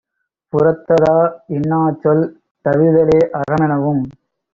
புறத்ததா, இன்னாச்சொல் தவிர்தலே அறமெனவும்;